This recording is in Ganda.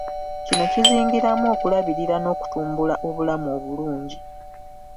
Kino kizingiramu okulabirira n’okutumbula obulamu obulungi.